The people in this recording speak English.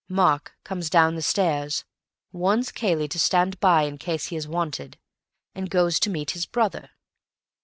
Mark comes down the stairs, warns Cayley to stand by in case he is wanted, and goes to meet his brother.